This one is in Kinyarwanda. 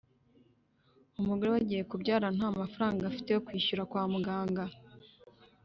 umugore we agiye kubyara nta mafaranga afite yo kwishyura kwa muganga